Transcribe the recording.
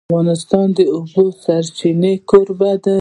افغانستان د د اوبو سرچینې کوربه دی.